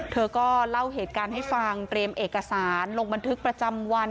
เธอก็เล่าเหตุการณ์ให้ฟังเตรียมเอกสารลงบันทึกประจำวัน